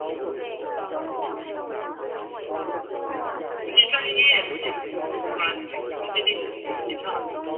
灵鳄的特点在于它非常类似似鸟龙科恐龙。